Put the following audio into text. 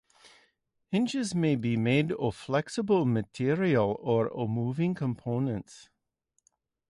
Hinges may be made of flexible material or of moving components.